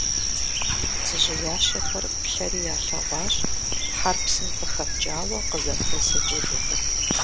Бдзэжьеящэхэр плъэри ялъэгъуащ хьэр псым къыхэпкӀауэ къызэпрысыкӀыжу.